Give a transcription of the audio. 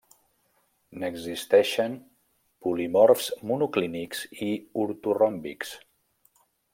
N'existeixen polimorfs monoclínics i ortoròmbics.